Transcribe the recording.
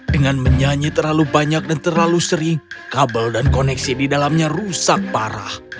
dengan menyanyi terlalu banyak dan terlalu sering kabel dan koneksi di dalamnya rusak parah